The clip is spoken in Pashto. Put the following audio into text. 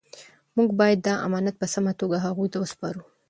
موږ باید دا امانت په سمه توګه هغوی ته وسپارو.